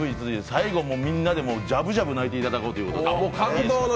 最後はみんなでジャブジャブ泣いていただこうという。